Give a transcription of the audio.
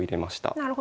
なるほど。